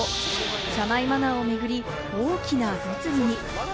車内マナーを巡り、大きな物議に。